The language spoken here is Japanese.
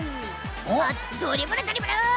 あっドリブルドリブル